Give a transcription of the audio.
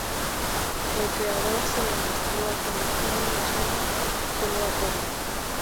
El creador se lo mostró al canal Family Channel, que lo aprobó.